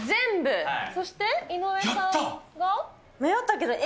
そして井上さんが。